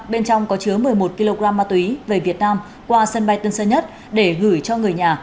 bên trong có chứa một mươi một kg ma túy về việt nam qua sân bay tân sơn nhất để gửi cho người nhà